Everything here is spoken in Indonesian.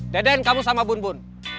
deden kamu sama bun bun